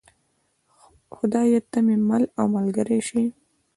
خدایه ته مې مل او ملګری شې.